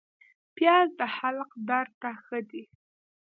پیاز د حلق درد ته ښه دی